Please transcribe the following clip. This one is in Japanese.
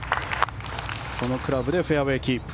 そのクラブでフェアウェーキープ。